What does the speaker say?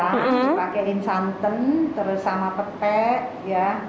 dipakein santan terus sama petai